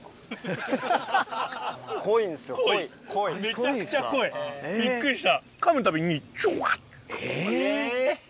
めちゃくちゃ濃いびっくりした。